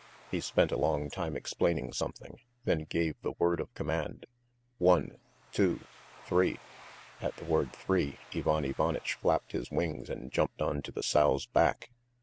He spent a long time explaining something, then gave the word of command, "One ... two ... three!" At the word "three" Ivan Ivanitch flapped his wings and jumped on to the sow's back.